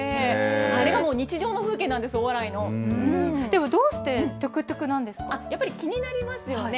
あれがもう日常の風景なんです、でもどうしてトゥクトゥクなやっぱり気になりますよね。